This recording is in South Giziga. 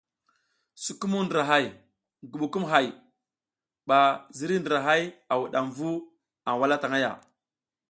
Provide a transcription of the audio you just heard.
Sukumung ndrahay, ngubukumʼay a ziriy ndra asa wudam vu a wala tang ya.